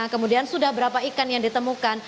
kemudian sudah berapa ikan yang ditemukan